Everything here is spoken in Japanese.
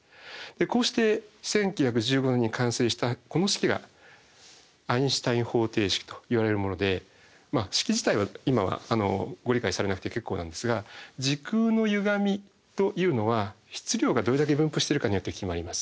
こうして１９１５年に完成したこの式がアインシュタイン方程式といわれるもので式自体は今はご理解されなくて結構なんですが時空のゆがみというのは質量がどれだけ分布してるかによって決まります。